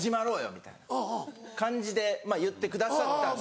みたいな感じで言ってくださったんですけど。